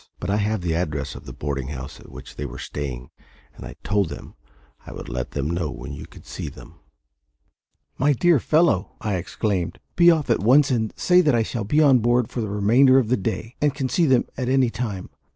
"But I have the address of the boarding house at which they are staying, and I told them I would let them know when you could see them." "My dear fellow," I exclaimed, "be off at once, and say that I shall be on board for the remainder of the day, and can see them at any time.